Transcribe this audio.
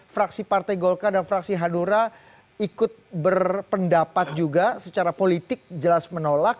fraksi partai golkar dan fraksi hanura ikut berpendapat juga secara politik jelas menolak